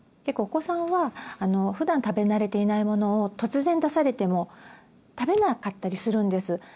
結構お子さんはふだん食べ慣れていないものを突然出されても食べなかったりするんです。